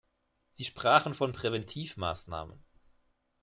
Sie sprachen von Präventivmaßnahmen.